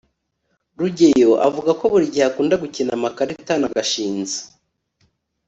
rugeyo avuga ko buri gihe akunda gukina amakarita na gashinzi